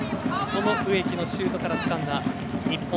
その植木のシュートからつかんだ日本